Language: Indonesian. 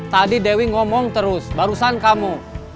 tadi dewi ngomong terus barusan kamu